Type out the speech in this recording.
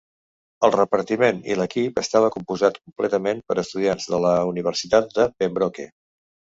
El repartiment i l'equip estava composat completament per estudiants de la universitat de Pembroke.